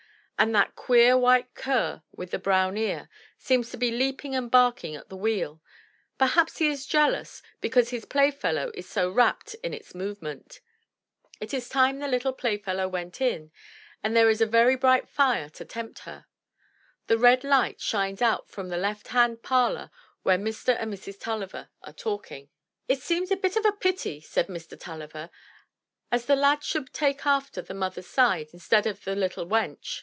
And that queer white cur with the brown ear seems to be leaping and barking at the wheel; perhaps he is jealous because his playfellow is so rapt in its move ment. It is time the little playfellow went in and there is a very bright fire to tempt her; the red light shines out from the left hand parlor where Mr. and Mrs. Tulliver are talking. ♦Arranged from The Mill on the Floss. 213 MY BOOK HOUSE " It seems a bit of a pity," said Mr. TuUiver, "as the lad should take after the mother's side instead o' the little wench.